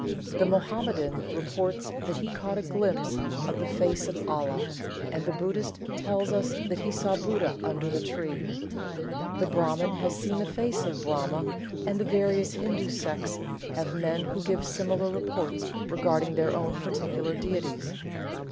The Mohammedan reports that he caught a glimpse of the face of Allah, and the Buddhist tells us that he saw Buddha under the tree. The Brahman has seen the face of Brahma, and the various Hindu sects have men who give similar reports regarding their own particular deities.